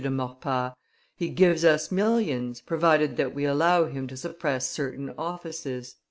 de Maurepas: "he gives us millions, provided that we allow him to suppress certain offices."